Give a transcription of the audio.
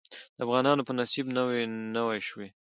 د افغانانو په نصيب نوى شوې.